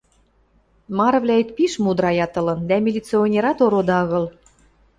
Марывлӓэт пиш мудраят ылын, дӓ милиционерат ороды агыл.